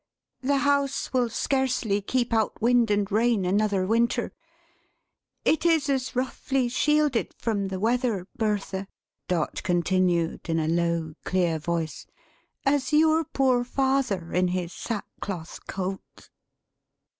The house will scarcely keep out wind and rain another winter. It is as roughly shielded from the weather, Bertha," Dot continued in a low, clear voice, "as your poor father in his sackcloth coat."